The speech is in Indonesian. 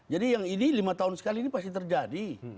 jadi yang ini lima tahun sekali ini pasti terjadi